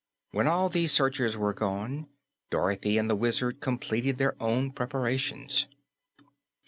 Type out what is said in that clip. When all these searchers were gone, Dorothy and the Wizard completed their own preparations.